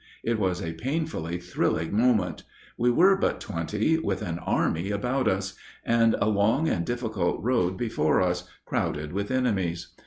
It was a painfully thrilling moment. We were but twenty, with an army about us, and a long and difficult road before us, crowded with enemies.